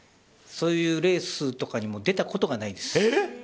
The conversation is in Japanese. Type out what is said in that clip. そういうレースとかにも出たことがないです。